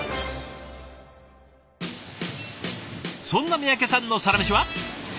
そんな三宅さんのサラメシは。